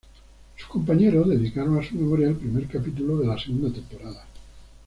Sus compañeros dedicaron a su memoria el primer capítulo de la segunda temporada.